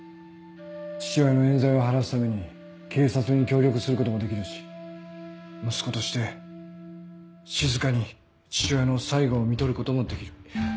父親の冤罪を晴らすために警察に協力することもできるし息子として静かに父親の最期をみとることもできる。